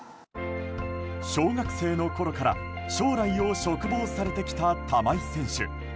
小学生のころから将来を嘱望されてきた玉井選手。